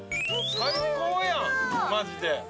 最高やんマジで。